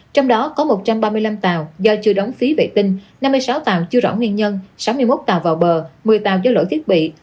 trong đó có một trăm ba mươi năm tàu do chưa đóng phí vệ tinh năm mươi sáu tàu chưa rõ nguyên nhân sáu mươi một tàu vào bờ một mươi tàu do lỗi thiết bị